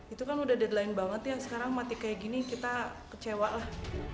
itu kan udah deadline banget ya sekarang mati kayak gini kita kecewa lah